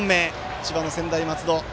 千葉の専大松戸。